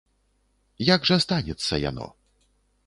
Як жа станецца яно?